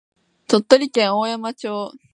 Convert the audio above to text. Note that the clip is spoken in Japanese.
鳥取県大山町